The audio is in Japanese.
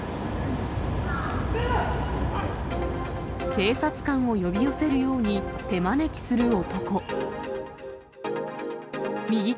警察官を呼び寄せるように手招きする男。